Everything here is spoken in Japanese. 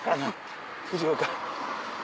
藤岡。